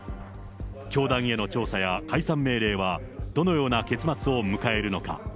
教団への調査や解散命令は、どのような結末を迎えるのか。